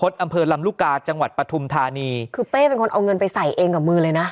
อำเภอลำลูกกาจังหวัดปฐุมธานีคือเป้เป็นคนเอาเงินไปใส่เองกับมือเลยนะ